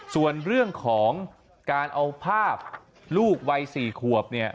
ส่วนเรื่องของการเอาภาพลูกวัย๔ขวบเนี่ย